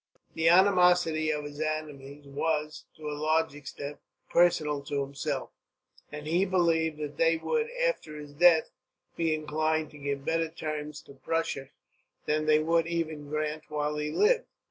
The animosity of his enemies was, to a large extent, personal to himself; and he believed that they would, after his death, be inclined to give better terms to Prussia than they would ever grant, while he lived.